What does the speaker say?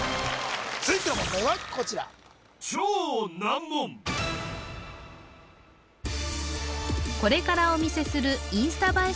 続いての問題はこちらこれからお見せするインスタ映え